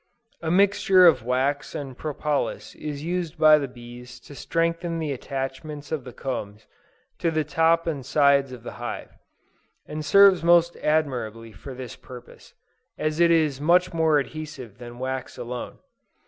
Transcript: _ A mixture of wax and propolis is used by the bees to strengthen the attachments of the combs to the top and sides of the hive, and serves most admirably for this purpose, as it is much more adhesive than wax alone.